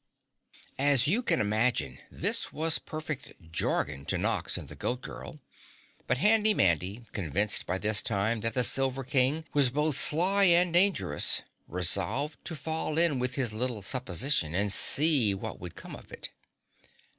As you can imagine, this was perfect jargon to Nox and the Goat Girl, but Handy Mandy, convinced by this time that the Silver King was both sly and dangerous, resolved to fall in with his little supposition and see what would come of it.